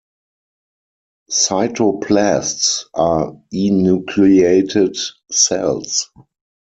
Cytoplasts are enucleated cells.